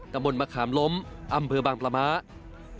ตำบลมะขามล้มอำเภอบางประมะ